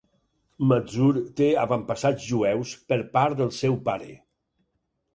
Mazur té avantpassats jueus per part del seu pare.